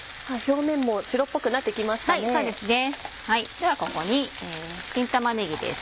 ではここに新玉ねぎです。